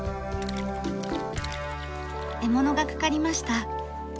獲物がかかりました。